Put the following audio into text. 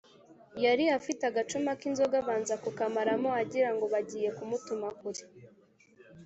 yari afite agacuma k’inzoga abanza kukamaramo agira ngo bagiye kumutuma kure.